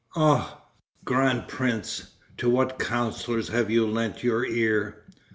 "Ah, grand prince, to what counselors have you lent your ear?